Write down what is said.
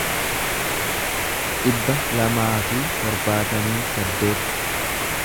dhibba lamaa fi torbaatamii saddeet